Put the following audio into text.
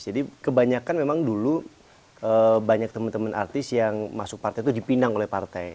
jadi kebanyakan memang dulu banyak teman teman artis yang masuk partai itu dipinang oleh partai